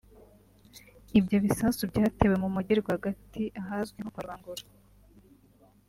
Ibyo bisasu byatewe mu mujyi rwagati ahazwi nko “Kwa Rubangura”